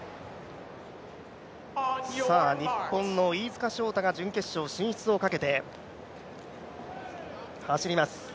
日本の飯塚翔太が準決勝進出をかけて走ります。